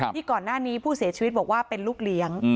ที่ก่อนหน้านี้ผู้เสียชีวิตบอกว่าเป็นลูกเลี้ยง